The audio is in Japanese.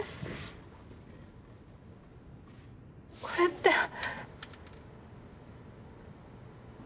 これって。